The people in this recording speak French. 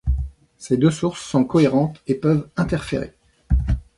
Ces deux sources sont cohérentes et peuvent interférer.